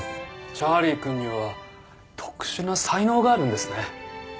チャーリーくんには特殊な才能があるんですね。